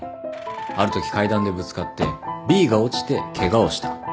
あるとき階段でぶつかってＢが落ちてケガをした。